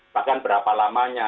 bahkan berapa lamanya